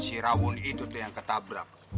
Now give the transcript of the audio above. si rawun itu tuh yang ketabrak